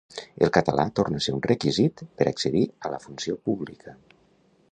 El català torna a ser un requisit per accedir a la funció pública.